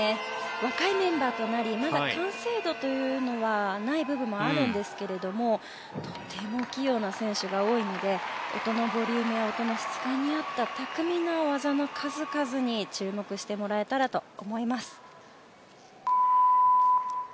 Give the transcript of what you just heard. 若いメンバーとなりまだ完成度というのはない部分もあるんですけれどもとても器用な選手が多いので音のボリュームや質感に合った巧みな技の数々に注目してもらえたらと思います。